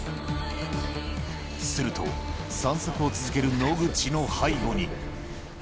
すると、散策を続ける野口の背後に。